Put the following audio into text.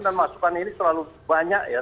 dan masukan ini selalu banyak ya